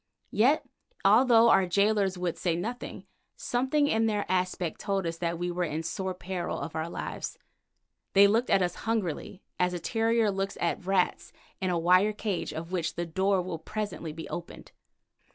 Yet although our gaolers would say nothing, something in their aspect told us that we were in sore peril of our lives. They looked at us hungrily, as a terrier looks at rats in a wire cage of which the door will presently be opened.